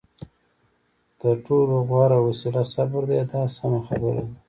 تر ټولو غوره وسله صبر دی دا سمه خبره ده.